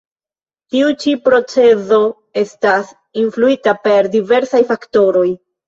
Tiu ĉi procezo estas influita per diversaj faktoroj.